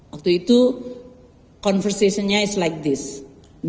waktu itu konversasinya seperti ini